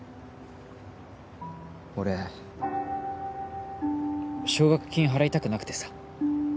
俺奨学金払いたくなくてさ。